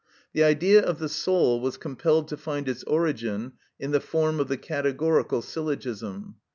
The Idea of the soul was compelled to find its origin in the form of the categorical syllogism.